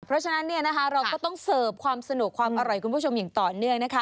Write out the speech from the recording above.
เพราะฉะนั้นเนี่ยนะคะเราก็ต้องเสิร์ฟความสนุกความอร่อยคุณผู้ชมอย่างต่อเนื่องนะคะ